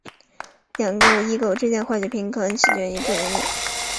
两构象异构之间的化学平衡起因于两构象不同能量的吉布斯能。